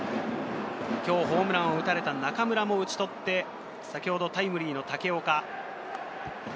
今日ホームランを打たれた中村も打ち取って、先ほどタイムリーの武岡。